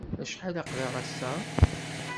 Acḥal ay aql-aɣ ass-a?